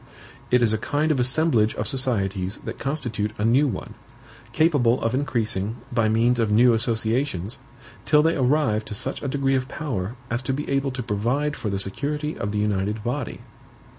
It is a kind of assemblage of societies that constitute a new one, capable of increasing, by means of new associations, till they arrive to such a degree of power as to be able to provide for the security of the united body."